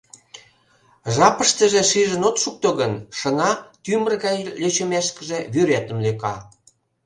Жапыштыже шижын от шукто гын, шыҥа тӱмыр гай лӧчымешкыже вӱретым лӧка.